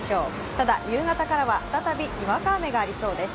ただ夕方からは再びにわか雨がありそうです。